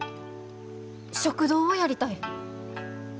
食堂をやりたい。